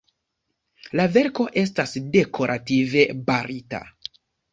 La verko estas dekorative barita.